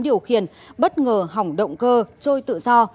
điều khiển bất ngờ hỏng động cơ trôi tự do